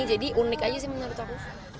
jadi unik aja sih menurut aku